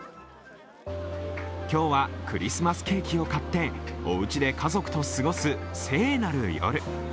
今日はクリスマスケーキを買っておうちで家族と過ごす聖なる夜。